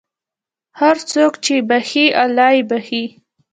هر څوک چې بښي، الله یې بښي.